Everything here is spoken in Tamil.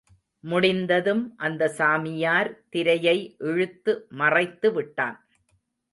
முடிந்ததும் அந்த சாமியார் திரையை இழுத்து மறைத்து விட்டான்.